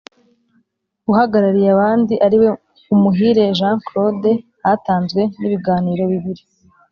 Uhagarariye abandi ariwe umuhire jean claude hatanzwe n ibiganiro bibiri